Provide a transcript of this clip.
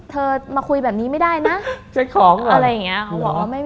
สัมพันธุ์๙ขั้นเรียกว่าแฟนได้ไหม